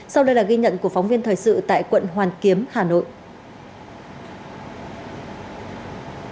sau đây là ghi nhận của phóng viên thời sự tại quận hoàn kiếm hà nội